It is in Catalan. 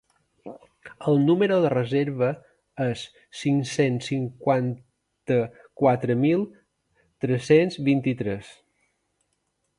El numero de reserva es cinc-cents cinquanta-quatre mil tres-cents vint-i-tres.